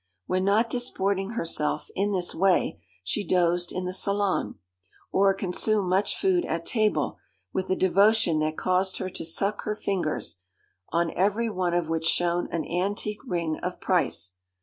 When not disporting herself in this way, she dozed in the salon, or consumed much food at table with a devotion that caused her to suck her fingers, on every one of which shone an antique ring of price.